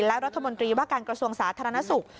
และรัฐมนตรีว่าการกระทรวงสาธารณสุข